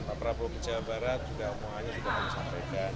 pak prabowo ke jawa barat juga omongannya juga kami sampaikan